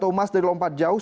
satu emas dari lompat jauh